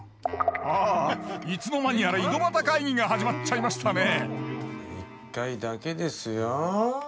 あいつの間にやら井戸端会議が始まっちゃいましたね一回だけですよ。